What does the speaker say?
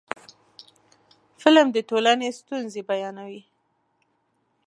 فلم د ټولنې ستونزې بیانوي